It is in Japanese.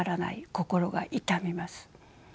心が痛みます。